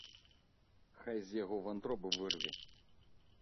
Хай з яго вантробы вырве.